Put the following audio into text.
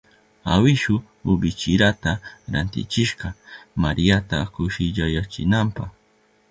Awishu ibichirata rantishka Mariata kushillayachinanpa.